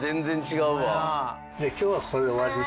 じゃあ今日はここで終わりに。